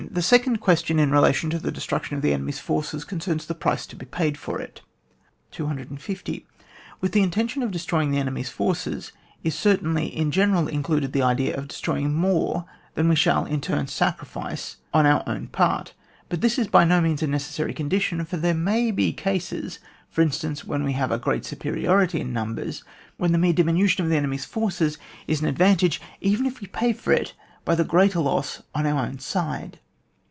The second question in relation to the destruction of the enemy's forces concerns the price to be paid for it. 250. With the intention of destroying the enemy's forces, is certainly in gene ral included the idea of destroying more than we shall in turn sacrifice on our own QVILE TO TACTICS, OR TEE THEORY OF TEE COMBAT, 147 part ; but this is by no means a neces sary condition^ for there may bo cases (for instance, when we have a great supe riority in numbers) when the mere dimi nution of the enemy's forces is an adyan tage, even if we pay for it by greater loss on our own side.